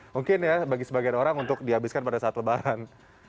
mungkin ya bagi sebagian orang untuk dihabiskan pada saat lebaran